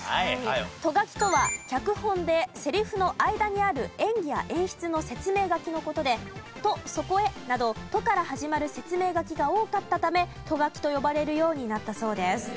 ト書きとは脚本で台詞の間にある演技や演出の説明書きの事で「トそこへ」など「ト」から始まる説明書きが多かったためト書きと呼ばれるようになったそうです。